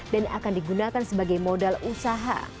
akan digunakan sebagai modal usaha